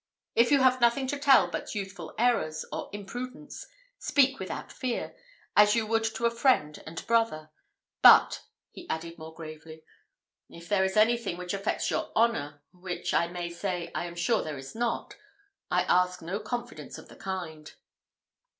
If you have nothing to tell but youthful errors, or imprudence, speak without fear, as you would to a friend and brother; but," he added more gravely, "if there is anything which affects your honour which, I may say, I am sure there is not I ask no confidence of the kind."